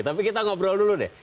tapi kita ngobrol dulu deh